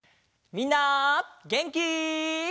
みんなげんき？